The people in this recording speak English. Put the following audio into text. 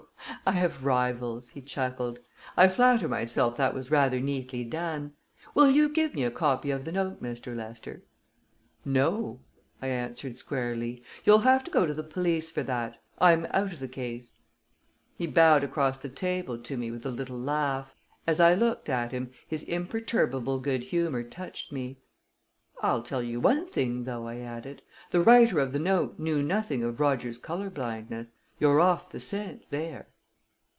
"Oh, I have rivals!" he chuckled. "I flatter myself that was rather neatly done. Will you give me a copy of the note, Mr. Lester?" "No," I answered squarely. "You'll have to go to the police for that. I'm out of the case." He bowed across the table to me with a little laugh. As I looked at him, his imperturbable good humor touched me. "I'll tell you one thing, though," I added. "The writer of the note knew nothing of Rogers's color blindness you're off the scent there."